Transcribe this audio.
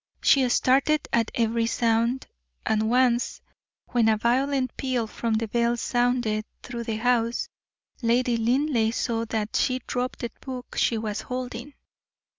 She started at every sound; and once, when a violent peal from the bell sounded through the house, Lady Linleigh saw that she dropped the book she was holding.